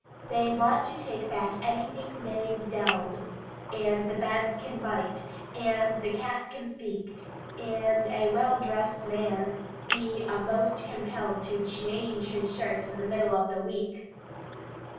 They want take back anything they've zelled, And the beds can bite, and the cats can speak: And a well dress'd man be a most compelled To channge his shirt in the middle of the week!